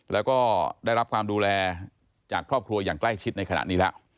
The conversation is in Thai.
แล้วก็ได้รับความดูแลจากครอบครัวอย่างใกล้ชิดในขณะนี้แล้ว